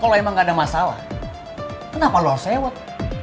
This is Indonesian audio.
kalau emang gak ada masalah kenapa lo harus sewat